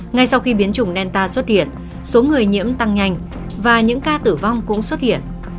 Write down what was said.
ngay sau khi biến chủng nanta xuất hiện số người nhiễm tăng nhanh và những ca tử vong cũng xuất hiện